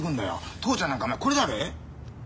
父ちゃんなんかお前これだぜ。